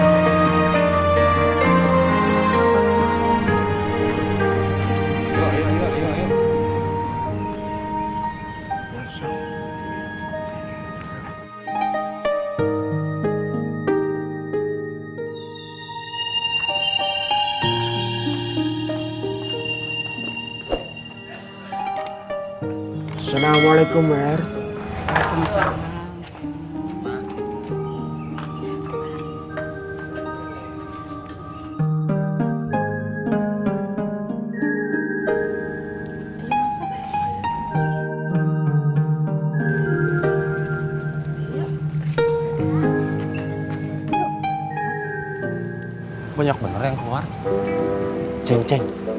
assalamualaikum warahmatullahi wabarakatuh